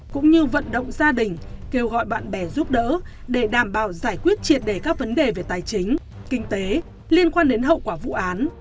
cũng như vận động gia đình kêu gọi bạn bè giúp đỡ để đảm bảo giải quyết triệt đề các vấn đề về tài chính kinh tế liên quan đến hậu quả vụ án